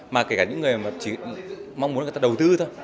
mà kể cả những người mà chỉ mong muốn người ta đầu tư thôi